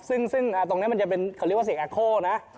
ซึ่งตรงนี้มันจะเป็นเขาเรียกว่าเสียงอาโคลนะ